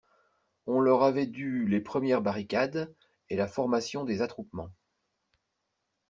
On leur avait dû les premières barricades, et la formation des attroupements.